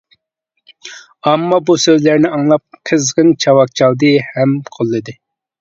ئامما بۇ سۆزلەرنى ئاڭلاپ قىزغىن چاۋاك چالدى ھەم قوللىدى.